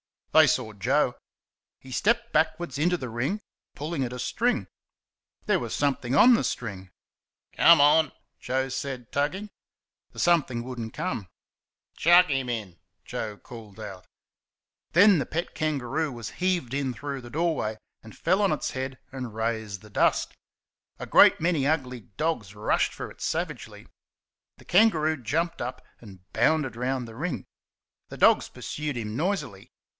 They saw Joe. He stepped backwards into the ring, pulling at a string. There was something on the string. "Come on!" Joe said, tugging. The "something" would n't come. "Chuck 'im in!" Joe called out. Then the pet kangaroo was heaved in through the doorway, and fell on its head and raised the dust. A great many ugly dogs rushed for it savagely. The kangaroo jumped up and bounded round the ring. The dogs pursued him noisily.